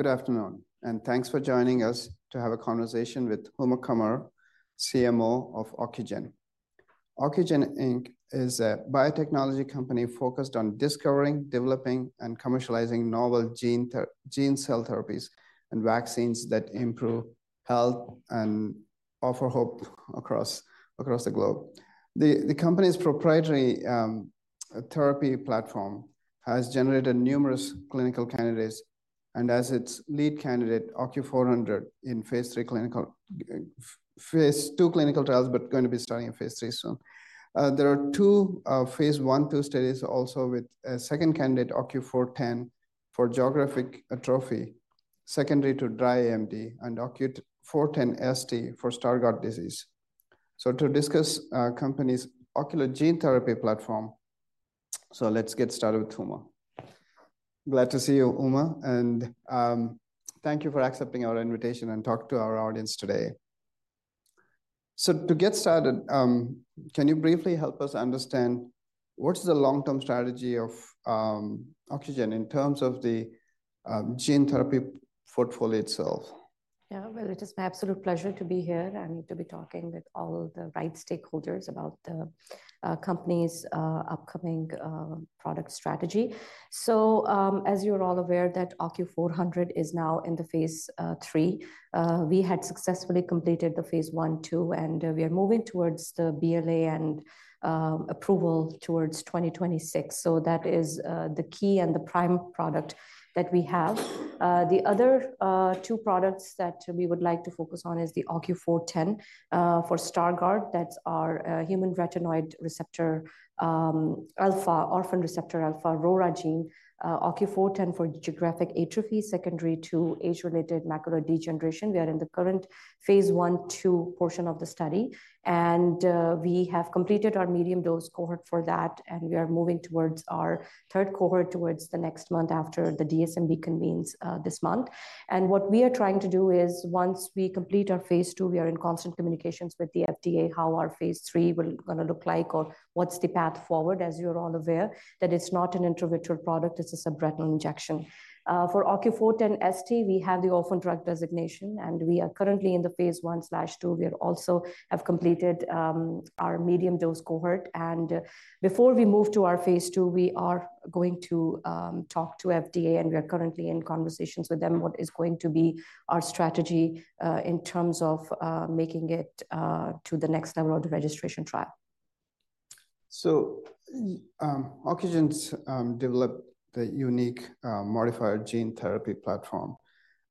Good afternoon, and thanks for joining us to have a conversation with Huma Qamar, CMO of Ocugen. Ocugen Inc. is a biotechnology company focused on discovering, developing, and commercializing novel gene cell therapies and vaccines that improve health and offer hope across the globe. The company's proprietary therapy platform has generated numerous clinical candidates, and as its lead candidate, OCU400, Phase II clinical trials, but going to be Phase III soon. there are Phase I/II studies also with a second candidate, OCU410, for geographic atrophy, secondary to dry AMD and OCU410ST for Stargardt disease. So to discuss company's ocular gene therapy platform, so let's get started with Huma. Glad to see you, Huma, and thank you for accepting our invitation and talk to our audience today. To get started, can you briefly help us understand what is the long-term strategy of Ocugen in terms of the gene therapy portfolio itself? Yeah, well, it is my absolute pleasure to be here and to be talking with all the right stakeholders about the company's upcoming product strategy. So, as you are all aware, OCU400 is Phase III. we had successfully completed Phase I/II, and we are moving towards the BLA and approval towards 2026. So that is the key and the prime product that we have. The other two products that we would like to focus on is the OCU410 for Stargardt. That's our human retinoid receptor alpha, orphan receptor alpha, RORA gene, OCU410 for geographic atrophy, secondary to age-related macular degeneration. We are in the Phase I/II portion of the study, and, we have completed our medium dose cohort for that, and we are moving towards our third cohort towards the next month after the DSMB convenes, this month. What we are trying to do is once we complete Phase II, we are in constant communications with the FDA, Phase III will gonna look like, or what's the path forward, as you are all aware, that it's not an intravitreal product, it's a subretinal injection. For OCU410ST, we have the orphan drug designation, and we are currently in the Phase I/II. We also have completed our medium dose cohort, and before we move to Phase II, we are going to talk to FDA, and we are currently in conversations with them on what is going to be our strategy in terms of making it to the next level of the registration trial. So, Ocugen's developed a unique, modified gene therapy platform,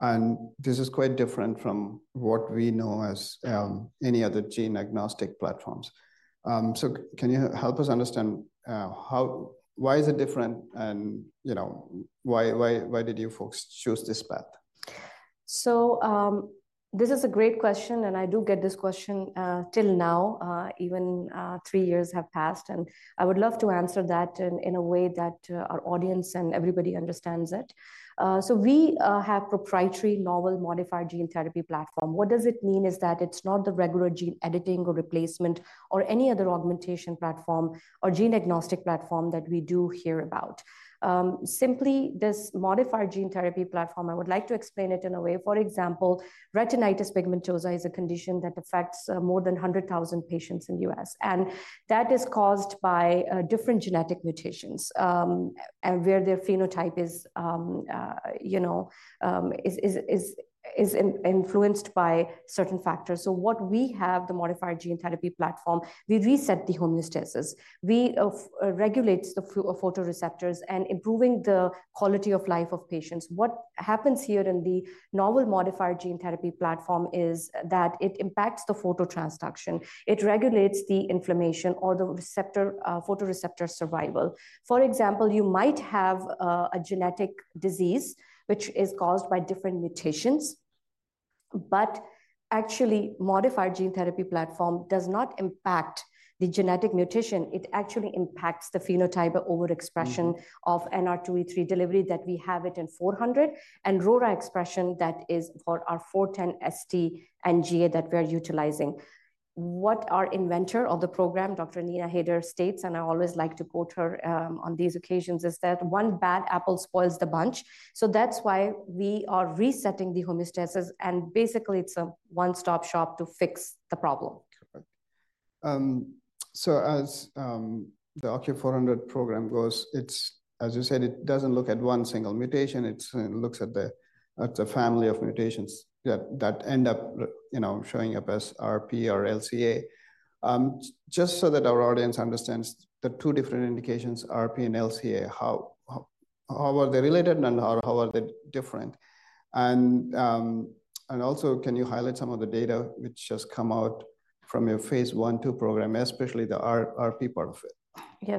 and this is quite different from what we know as any other gene-agnostic platforms. Can you help us understand why is it different, and, you know, why did you folks choose this path? So, this is a great question, and I do get this question till now, even three years have passed, and I would love to answer that in a way that our audience and everybody understands it. So we have proprietary novel modified gene therapy platform. What does it mean is that it's not the regular gene editing or replacement or any other augmentation platform or gene-agnostic platform that we do hear about. Simply, this modified gene therapy platform, I would like to explain it in a way. For example, retinitis pigmentosa is a condition that affects more than 100,000 patients in the U.S., and that is caused by different genetic mutations, and where their phenotype is, you know, is influenced by certain factors. So what we have, the modified gene therapy platform, we reset the homeostasis. We regulate the photoreceptors and improving the quality of life of patients. What happens here in the novel modified gene therapy platform is that it impacts the phototransduction, it regulates the inflammation or the receptor, photoreceptor survival. For example, you might have a genetic disease which is caused by different mutations, but actually, modified gene therapy platform does not impact the genetic mutation. It actually impacts the phenotype or overexpression of NR2E3 delivery that we have it in 400, and RORA expression that is for our 410ST and GA that we are utilizing. What our inventor of the program, Dr. Neena Haider, states, and I always like to quote her on these occasions, is that: "One bad apple spoils the bunch." So that's why we are resetting the homeostasis, and basically, it's a one-stop shop to fix the problem. Correct. So as the OCU400 program goes, it's as you said, it doesn't look at one single mutation; it looks at the family of mutations that end up, you know, showing up as RP or LCA. Just so that our audience understands the two different indications, RP and LCA, how are they related and how are they different? And also, can you highlight some of the data which just come out from Phase I/II program, especially the RP part of it? Yeah,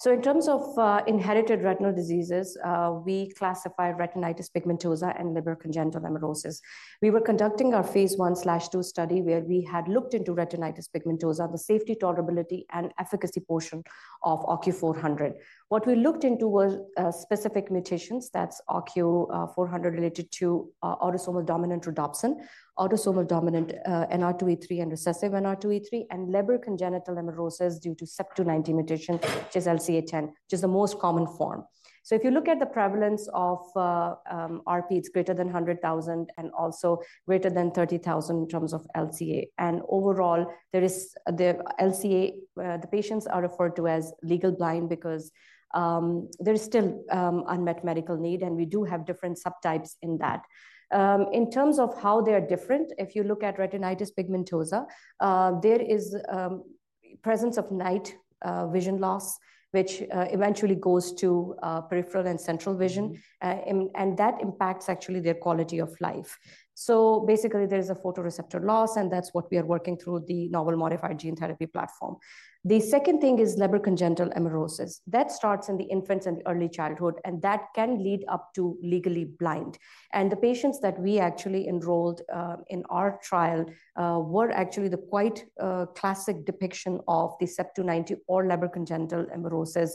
so in terms of inherited retinal diseases, we classify retinitis pigmentosa and Leber congenital amaurosis. We were conducting Phase I/II study, where we had looked into retinitis pigmentosa, the safety, tolerability, and efficacy portion of OCU400. What we looked into was specific mutations. That's OCU400 related to autosomal dominant rhodopsin, autosomal dominant NR2E3 and recessive NR2E3, and Leber congenital amaurosis due to CEP290 mutation, which is LCA10, which is the most common form. So if you look at the prevalence of RP, it's greater than 100,000 and also greater than 30,000 in terms of LCA. And overall, there is the LCA, the patients are referred to as legally blind because there is still unmet medical need, and we do have different subtypes in that. In terms of how they are different, if you look at retinitis pigmentosa, there is presence of night vision loss, which eventually goes to peripheral and central vision. And that impacts actually their quality of life. So basically, there is a photoreceptor loss, and that's what we are working through the novel modified gene therapy platform. The second thing is Leber congenital amaurosis. That starts in the infants and the early childhood, and that can lead up to legally blind. And the patients that we actually enrolled in our trial were actually the quite classic depiction of the CEP290 or Leber congenital amaurosis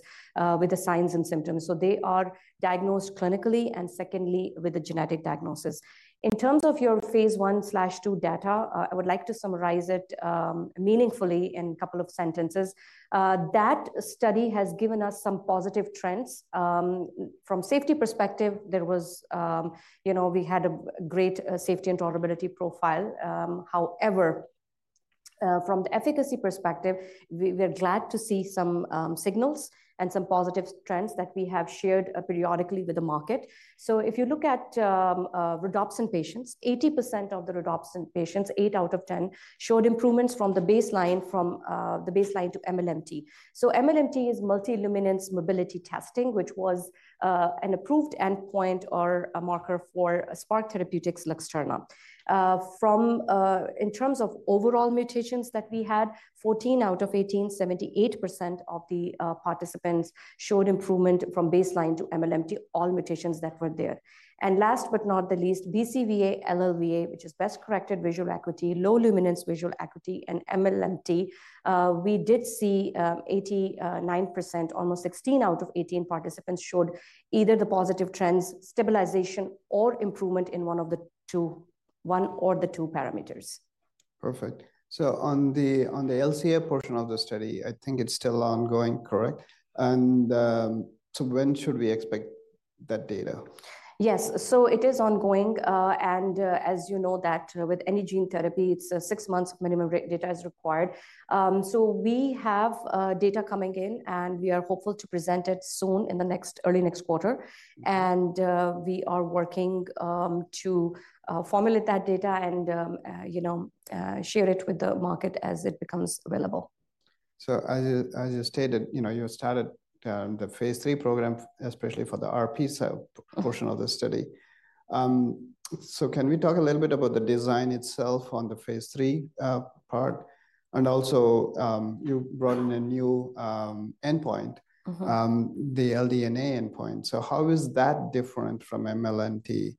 with the signs and symptoms. So they are diagnosed clinically, and secondly, with a genetic diagnosis. In terms of Phase I/II data, I would like to summarize it meaningfully in a couple of sentences. That study has given us some positive trends. From safety perspective, there was, you know, we had a great safety and tolerability profile. However, from the efficacy perspective, we're glad to see some signals and some positive trends that we have shared periodically with the market. So if you look at rhodopsin patients, 80% of the rhodopsin patients, eight out of 10, showed improvements from the baseline, from the baseline to MLMT. So MLMT is Multi-Luminance Mobility Testing, which was an approved endpoint or a marker for a Spark Therapeutics Luxturna. In terms of overall mutations that we had, 14 out of 18, 78% of the participants showed improvement from baseline to MLMT, all mutations that were there. And last but not the least, BCVA, LLVA, which is Best Corrected Visual Acuity, Low Luminance Visual Acuity, and MLMT, we did see 89%, almost 16 out of 18 participants showed either the positive trends, stabilization, or improvement in one or the two parameters. Perfect. So on the LCA portion of the study, I think it's still ongoing, correct? And, so when should we expect that data? Yes. So it is ongoing. As you know that with any gene therapy, it's six months minimum readout data is required. So we have data coming in, and we are hopeful to present it soon in early next quarter. And we are working to formulate that data and you know, share it with the market as it becomes available. So as you stated, you know, you Phase III program, especially for the RP/LCA portion of the study. So can we talk a little bit about the design itself Phase III part? and also, you brought in a new endpoint. The LDNA endpoint. So how is that different from MLMT?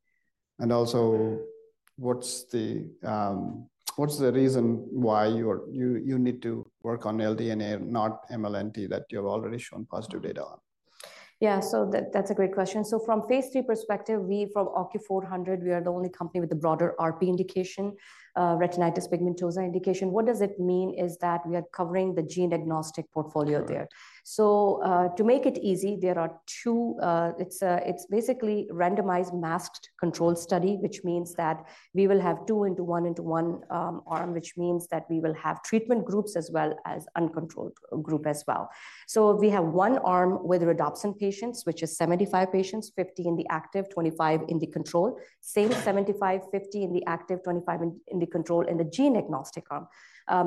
And also, what's the reason why you need to work on LDNA, not MLMT, that you have already shown positive data on? Yeah, so that, that's a great question. Phase III perspective, we from OCU400, we are the only company with a broader RP indication, retinitis pigmentosa indication. What does it mean is that we are covering the gene-agnostic portfolio there. Sure. So, to make it easy, there are two. It's basically randomized, masked, controlled study, which means that we will have 2:1:1 arm, which means that we will have treatment groups as well as control group as well. So we have one arm with rhodopsin patients, which is 75 patients, 50 in the active, 25 in the control. Same 75, 50 in the active, 25 in the control in the gene-agnostic arm,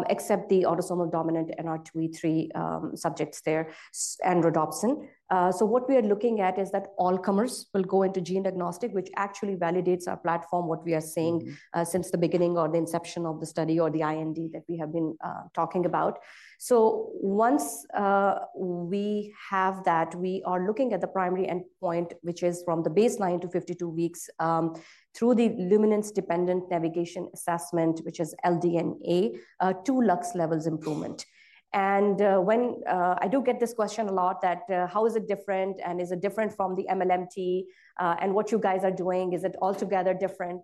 except the autosomal dominant NR2E3 subjects there and rhodopsin. So what we are looking at is that all comers will go into gene-agnostic, which actually validates our platform, what we are saying. Since the beginning or the inception of the study or the IND that we have been talking about. So once we have that, we are looking at the primary endpoint, which is from the baseline to 52 weeks through the Luminance-Dependent Navigation Assessment, which is LDNA, 2 lux levels improvement. And when I do get this question a lot, that: How is it different, and is it different from the MLMT, and what you guys are doing, is it altogether different?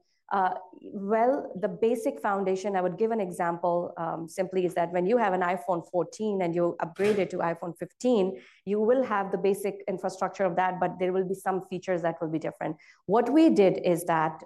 Well, the basic foundation, I would give an example, simply is that when you have an iPhone 14 and you upgrade it to iPhone 15, you will have the basic infrastructure of that, but there will be some features that will be different. What we did is that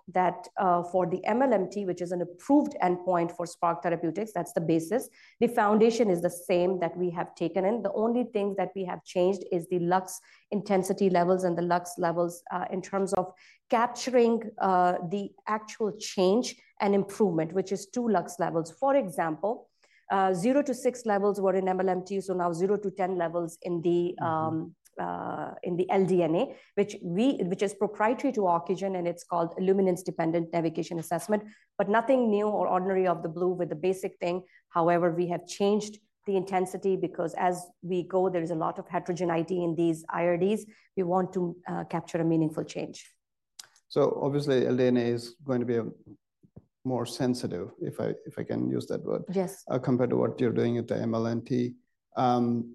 for the MLMT, which is an approved endpoint for Spark Therapeutics, that's the basis, the foundation is the same that we have taken in. The only thing that we have changed is the lux intensity levels and the lux levels in terms of capturing the actual change and improvement, which is 2 lux levels. For example, 0-6 levels were in MLMT, so now 0-10 levels in the LDNA, which is proprietary to Ocugen, and it's called Luminance-Dependent Navigation Assessment, but nothing new or out of the ordinary or out of the blue with the basic thing. However, we have changed the intensity because as we go, there is a lot of heterogeneity in these IRDs. We want to capture a meaningful change. Obviously, LDNA is going to be more sensitive, if I can use that word- Yes compared to what you're doing at the MLMT. So,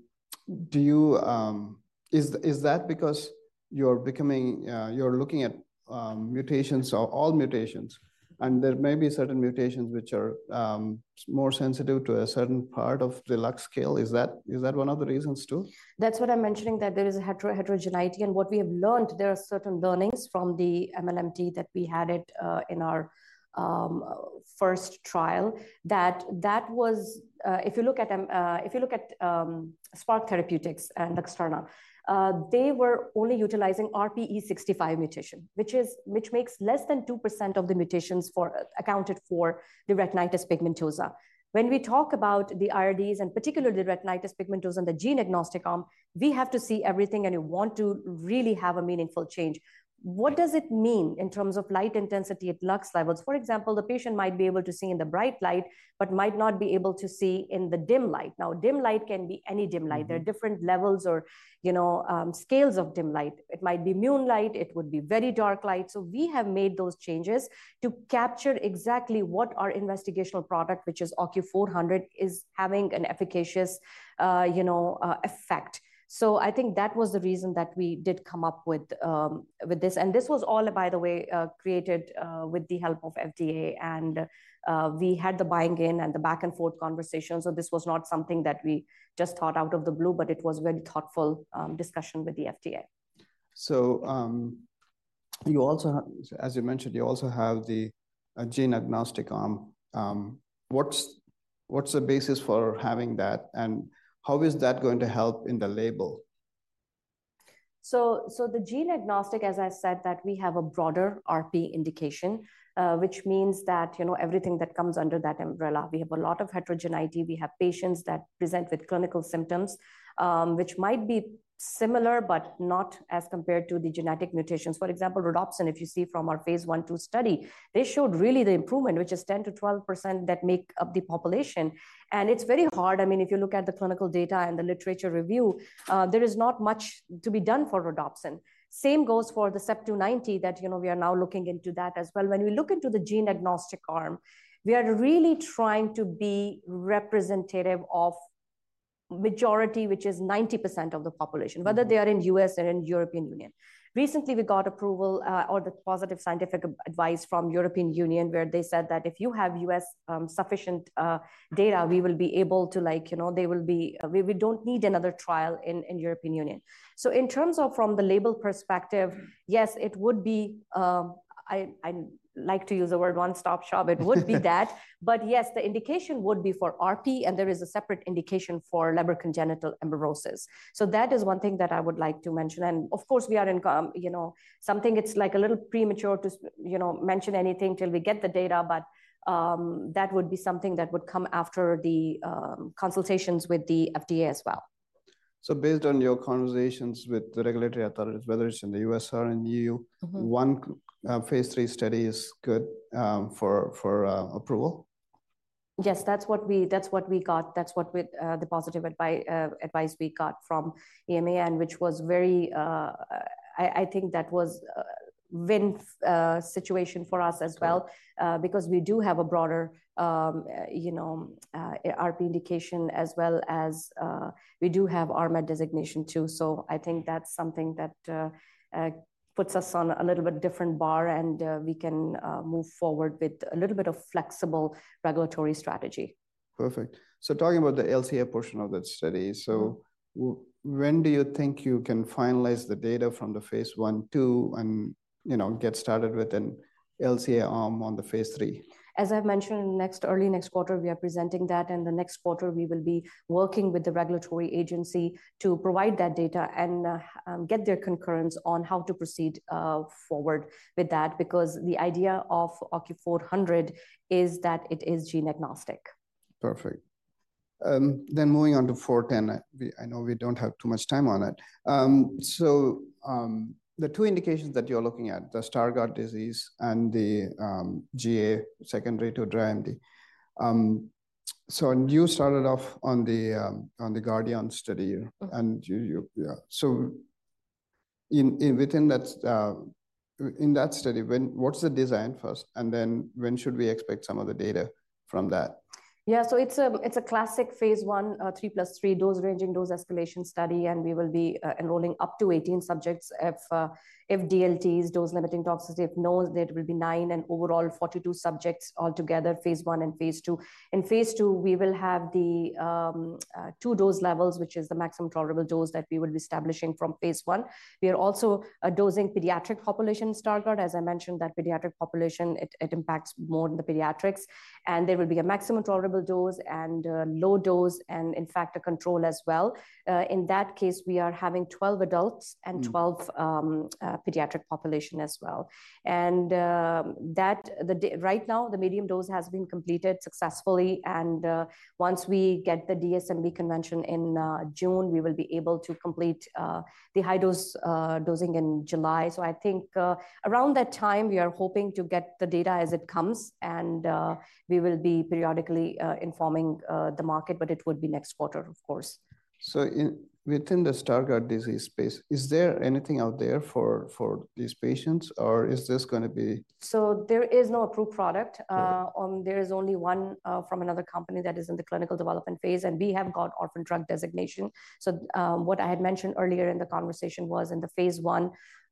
do you, is that because you're becoming, you're looking at mutations or all mutations, and there may be certain mutations which are more sensitive to a certain part of the lux scale? Is that one of the reasons, too? That's what I'm mentioning, that there is a heterogeneity. And what we have learned, there are certain learnings from the MLMT that we had in our first trial, that was if you look at Spark Therapeutics and Luxturna, they were only utilizing RPE65 mutation, which makes less than 2% of the mutations accounted for the retinitis pigmentosa. When we talk about the IRDs, and particularly the retinitis pigmentosa and the gene agnostic arm, we have to see everything, and you want to really have a meaningful change. What does it mean in terms of light intensity at lux levels? For example, the patient might be able to see in the bright light, but might not be able to see in the dim light. Now, dim light can be any dim light. There are different levels or, you know, scales of dim light. It might be moonlight. It would be very dark light. So we have made those changes to capture exactly what our investigational product, which is OCU400, is having an efficacious, you know, effect. So I think that was the reason that we did come up with this. And this was all, by the way, created with the help of FDA. And we had the buy-in and the back-and-forth conversation, so this was not something that we just thought out of the blue, but it was very thoughtful discussion with the FDA. You also have, as you mentioned, you also have the gene agnostic arm. What's the basis for having that, and how is that going to help in the label? So the gene agnostic, as I said, that we have a broader RP indication, which means that, you know, everything that comes under that umbrella. We have a lot of heterogeneity. We have patients that present with clinical symptoms, which might be similar, but not as compared to the genetic mutations. For example, rhodopsin, if you see from Phase I/II study, they showed really the improvement, which is 10%-12% that make up the population. And it's very hard. I mean, if you look at the clinical data and the literature review, there is not much to be done for rhodopsin. Same goes for the CEP290 that, you know, we are now looking into that as well. When we look into the gene agnostic arm, we are really trying to be representative of majority, which is 90% of the population whether they are in U.S. or in European Union. Recently, we got approval or the positive scientific advice from European Union, where they said that if you have U.S. sufficient data, we will be able to like, you know, we don't need another trial in European Union. So in terms of from the label perspective, yes, it would be. I like to use the word one-stop shop. It would be that. But yes, the indication would be for RP, and there is a separate indication for Leber congenital amaurosis. So that is one thing that I would like to mention. Of course, we are in, you know, something it's like a little premature to you know, mention anything till we get the data, but that would be something that would come after the consultations with the FDA as well. So based on your conversations with the regulatory authorities, whether it's in the U.S. or in Phase III study is good for approval? Yes, that's what we got. That's the positive advice we got from EMA, and which was very. I, I think that was a win-win situation for us as well because we do have a broader, you know, RP indication, as well as, we do have RMAT designation, too. So I think that's something that puts us on a little bit different bar, and, we can move forward with a little bit of flexible regulatory strategy. Perfect. So talking about the LCA portion of that study, so when do you think you can finalize the data from Phase I/II and, you know, get started with an LCA arm on the Phase III? As I've mentioned, next, early next quarter, we are presenting that, and the next quarter, we will be working with the regulatory agency to provide that data and get their concurrence on how to proceed forward with that. Because the idea of OCU400 is that it is gene agnostic. Perfect. Then moving on to 410. We know we don't have too much time on it. So, the two indications that you're looking at, the Stargardt disease and the GA secondary to dry AMD. And you started off on the GARDian study and you, you, yeah. So within that study, what's the design first, and then when should we expect some of the data from that? Yeah, so it's a, it's a classic Phase I, three plus three dose-ranging, dose-escalation study, and we will be enrolling up to 18 subjects. If, if DLTs, dose-limiting toxicity, if no, there will be 9 and overall 42 subjects altogether, Phase I and Phase II. Phase II, we will have the two dose levels, which is the maximum tolerable dose that we will be establishing from Phase I. We are also dosing pediatric population Stargardt. As I mentioned, that pediatric population, it impacts more in the pediatrics, and there will be a maximum tolerable dose and low dose, and in fact, a control as well. In that case, we are having 12 adults and 12, pediatric population as well. And, that, right now, the medium dose has been completed successfully, and, once we get the DSMB concurrence in June, we will be able to complete the high dose dosing in July. So I think, around that time, we are hoping to get the data as it comes, and, we will be periodically informing the market, but it would be next quarter, of course. So within the Stargardt disease space, is there anything out there for these patients, or is this gonna be? There is no approved product. There is only one from another company that is in the clinical development phase, and we have got orphan drug designation. So, what I had mentioned earlier in the conversation was in the Phase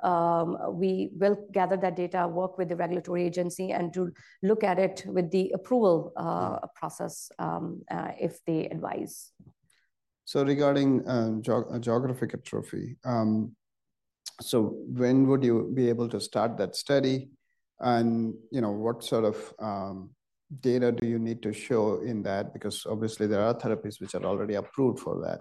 I, we will gather that data, work with the regulatory agency, and to look at it with the approval process, if they advise. So regarding geographic atrophy, so when would you be able to start that study? And, you know, what sort of data do you need to show in that? Because obviously there are therapies which are already approved for that.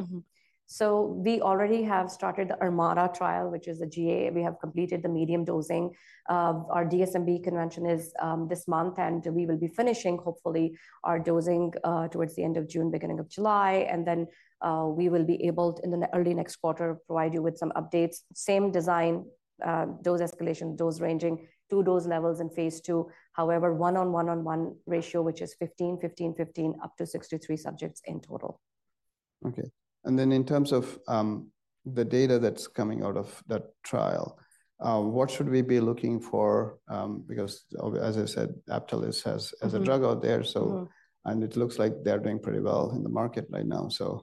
So we already have started the ArMaDa trial, which is a GA. We have completed the medium dosing. Our DSMB convening is this month, and we will be finishing, hopefully, our dosing, towards the end of June, beginning of July. Then, we will be able, in the early next quarter, provide you with some updates. Same design, dose escalation, dose ranging, 2 dose levels in phase 2. However, 1:1:1 ratio, which is 15, 15, 15, up to 63 subjects in total. Okay. And then in terms of the data that's coming out of that trial, what should we be looking for? Because as I said, Apellis has-as a drug out there, so and it looks like they're doing pretty well in the market right now. So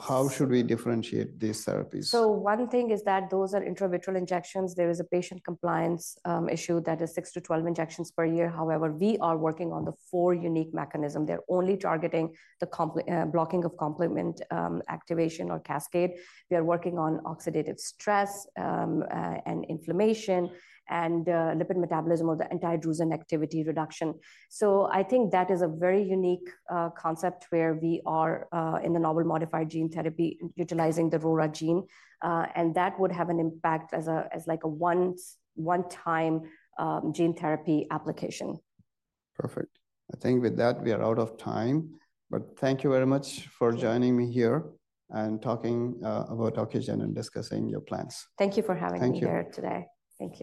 how should we differentiate these therapies? So one thing is that those are intravitreal injections. There is a patient compliance issue that is six to 12 injections per year. However, we are working on the four unique mechanism. They're only targeting the blocking of complement activation or cascade. We are working on oxidative stress and inflammation, and lipid metabolism, or the anti-drusen activity reduction. So I think that is a very unique concept, where we are in the novel modified gene therapy, utilizing the RORA gene. And that would have an impact as a, as, like, a once, one-time gene therapy application. Perfect. I think with that, we are out of time, but thank you very much for joining me here and talking about Ocugen and discussing your plans. Thank you for having me here today. Thank you. Thank you.